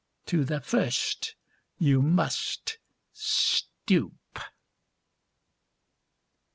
To the first you must stoop.